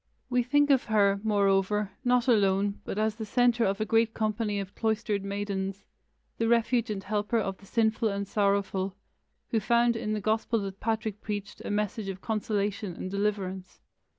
We think of her, moreover, not alone, but as the centre of a great company of cloistered maidens, the refuge and helper of the sinful and sorrowful, who found in the gospel that Patrick preached a message of consolation and deliverance.